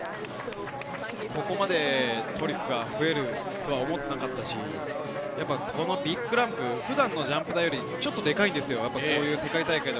ここまでトリックが増えるとは思っていなかったし、このビッグランプ、普段のジャンプ台よりちょっとでかいんですよ。